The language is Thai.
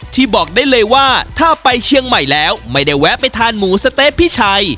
บอกได้เลยว่าถ้าไปเชียงใหม่แล้วไม่ได้แวะไปทานหมูสะเต๊ะพี่ชัย